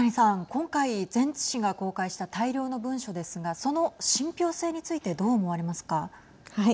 今回、ゼンツ氏が公開した大量の文書ですがその信ぴょう性についてどう思われますか。